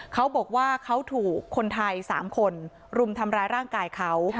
เขาบอกว่าเขาถูกคนไทย๓คนรุมทำร้ายร่างกายเขา